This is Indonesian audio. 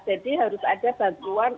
jadi harus ada bantuan